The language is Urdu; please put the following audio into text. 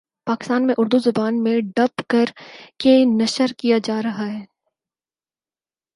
پاکستان میں اردو زبان میں ڈب کر کے نشر کیا جارہا ہے